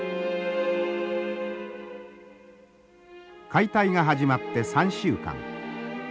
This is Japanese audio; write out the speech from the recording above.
解体が始まって３週間。